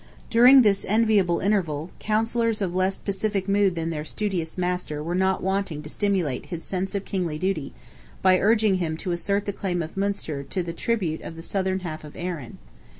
During this enviable interval, councillors of less pacific mood than their studious master were not wanting to stimulate his sense of kingly duty, by urging him to assert the claim of Munster to the tribute of the southern half of Erin.